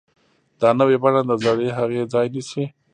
دا نوې بڼه د زړې هغې ځای نیسي.